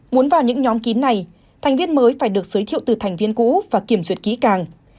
muốn vào những nhóm kín này thành viên mới phải được giới thiệu từ thành viên cũ và kiểm duyệt kỹ càng